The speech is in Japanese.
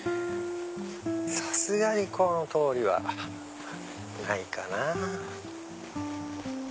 さすがにこの通りはないかな。